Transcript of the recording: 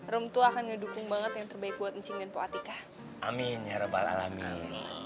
room tuh akan mendukung banget yang terbaik buat ncing dan po atika amin ya rabbal alamin